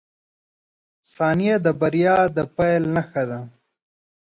• ثانیه د بریا د پیل نښه ده.